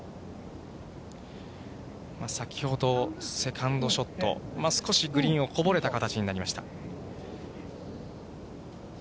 先ほどセカンドショット、少しグリーンをこぼれた形になりました。